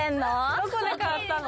どこで買ったの？